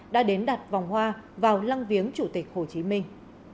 đã đến đặt vòng hoa vào lăng viếng chủ tịch hồ chí minh